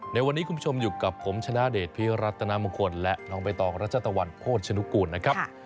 ในวันนี้คุณผู้ชมอยู่กับผมชนะเดชพิรัตนามงคลและน้องใบตองรัชตะวันโภชนุกูลนะครับ